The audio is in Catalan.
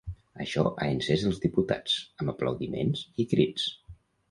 Això ha encès els diputats, amb aplaudiments i crits.